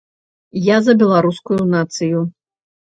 Я за беларускую нацыю.